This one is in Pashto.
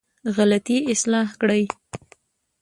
غلطي اصلاح کړې.